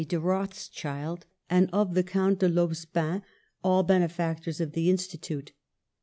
de Rothschild and of the Count de Laubespin, all benefactors of the In stitute.